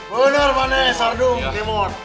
benar pak nesar dong kemot